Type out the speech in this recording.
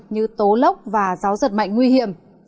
như tố lốc và gió giật mạnh nguy hiểm